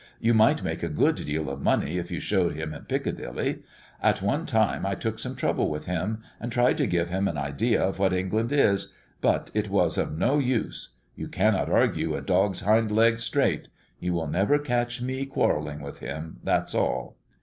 You might make a good deal of money if you shewed him in Piccadilly. At one time I took some trouble with him, and tried to give him an idea of what England is, but it was of no use. You cannot argue a dog's hind leg straight. You will never catch me quarrelling with him, that's all."